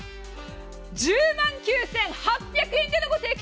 １０万９８００円でのご提供。